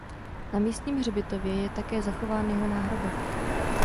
Na místním hřbitově je také zachován jeho náhrobek.